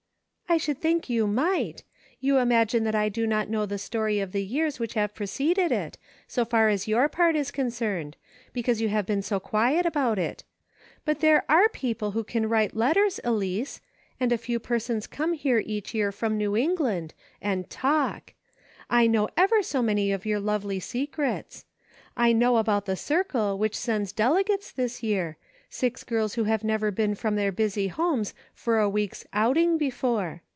"I should quite think you might! You imagine that I do not know the story of the years which have preceded it, so far as your part is concerned, because you have been so quiet about it ; but there are people who can write letters, Elice, and a few persons come here each year from New England, and fa/k; I know ever so many of your lovely se " THAT BEATS ME !" 329 crets. I know about the circle which sends dele gates this year — six girls who have never been from their busy homes for a week's ' outing' before.